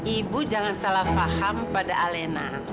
ibu jangan salah paham pada alena